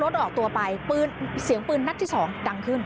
ออกตัวไปปืนเสียงปืนนัดที่สองดังขึ้น